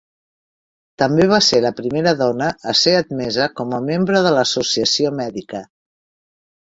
També va ser la primera dona a ser admesa com a membre de l'associació mèdica.